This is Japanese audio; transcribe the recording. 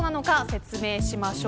説明しましょう。